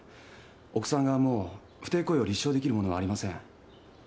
奥さん側も不貞行為を立証できるものはありません。